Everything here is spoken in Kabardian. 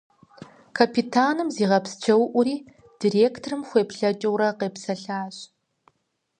Капитаным зигъэпсчэуӀури, директорым хуеплъэкӀыурэ, къепсэлъащ.